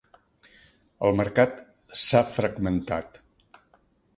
El mercat s'ha fragmentat.